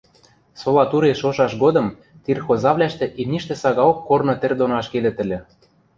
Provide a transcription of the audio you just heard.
Сола туре шошаш годым тир хозавлӓштӹ имништӹ сагаок корны тӹр доно ашкедӹт ыльы.